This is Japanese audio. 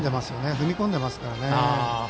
踏み込んでいますからね。